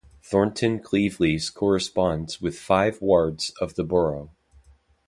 Thornton-Cleveleys corresponds with five wards of the borough.